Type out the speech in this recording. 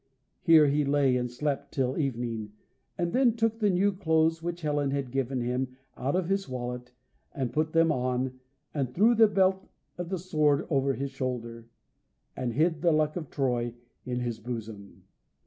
Here he lay and slept till evening, and then took the new clothes which Helen had given him out of his wallet, and put them on, and threw the belt of the sword over his shoulder, and hid the Luck of Troy in his bosom.